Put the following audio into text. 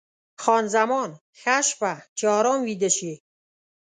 خان زمان: ښه شپه، چې ارام ویده شې.